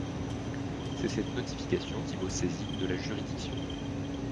C’est cette notification qui vaut saisine de la juridiction.